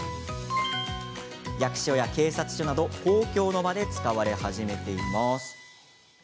役所や警察署など公共の場で使われ始めています。